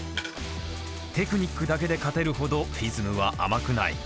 テクニックだけで勝てるほどＦＩＳＭは甘くない。